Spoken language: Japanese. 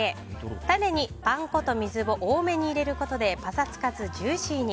タネにパン粉と水を多めに入れることでパサつかず、ジューシーに。